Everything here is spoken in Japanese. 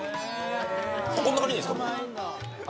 こんな感じでいいんですか？